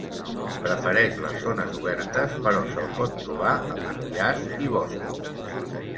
Prefereix les zones obertes, però se'l pot trobar a matollars i boscos.